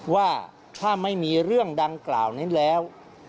ว่าถ้าไม่มีเรื่องดังกล่าวนั้นแล้ว